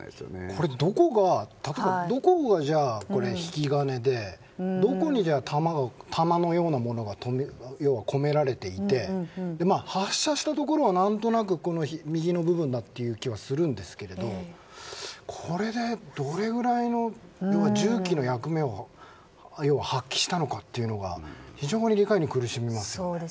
これ、どこが引き金でどこに弾のようなものが込められていて発射したところは何となく右の部分だという気はするんですけどこれでどれぐらい銃器としての役目を発揮したのかというのが非常に理解に苦しみますよね。